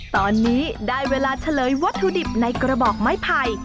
ตอนนี้ได้เวลาเฉลยวัตถุดิบในกระบอกไม้ไผ่